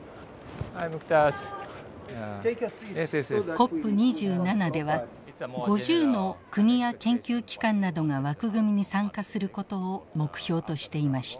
ＣＯＰ２７では５０の国や研究機関などが枠組みに参加することを目標としていました。